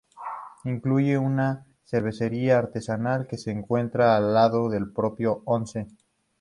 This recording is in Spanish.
Incluye una cervecería artesanal que se encuentra al lado del propio onsen.